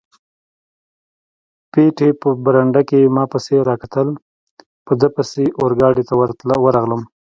پېټی په برنډه کې ما پسې را کتل، په ده پسې اورګاډي ته ورغلم.